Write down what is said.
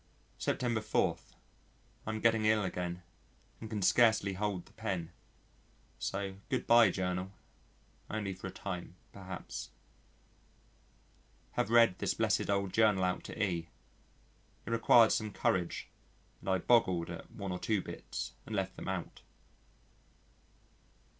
September 4. I am getting ill again, and can scarcely hold the pen. So good bye Journal only for a time perhaps. Have read this blessed old Journal out to E . It required some courage, and I boggled at one or two bits and left them out.